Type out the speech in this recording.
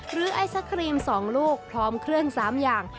ไอศครีม๒ลูกพร้อมเครื่อง๓อย่าง